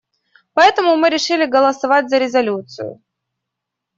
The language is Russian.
Поэтому мы решили голосовать за резолюцию.